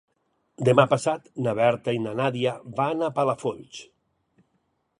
Demà passat na Berta i na Nàdia van a Palafolls.